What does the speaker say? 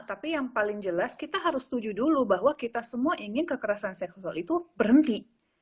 tapi yang paling jelas kita harus setuju dulu bahwa kita semua ingin kekerasan seksual itu berhenti